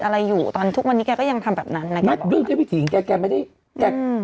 อะไรอยู่ตอนทุกวันนี้แกก็ยังทำแบบนั้นแกไม่ได้แกไม่ได้อืม